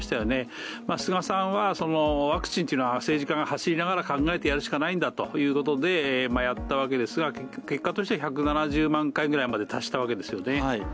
菅さんはワクチンというのは政治家が走りながら考えてやるしかないんだということでやったわけですが、結果として１７０万回ぐらいまで達したわけですよね